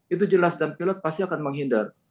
itu jelas dan pilot pasti akan menghindar